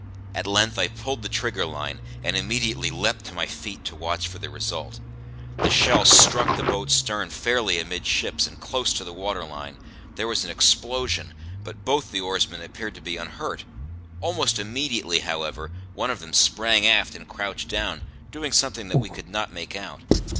At length I pulled the trigger line, and immediately leapt to my feet to watch for the result. The shell struck the boat's stern fairly amidships, and close to the water line; there was an explosion, but both the oarsmen appeared to be unhurt. Almost immediately, however, one of them sprang aft and crouched down, doing something that we could not make out.